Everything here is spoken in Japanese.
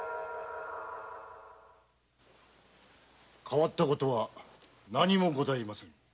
変わった事は何もございません。